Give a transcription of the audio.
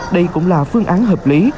đây cũng là phương án hợp lý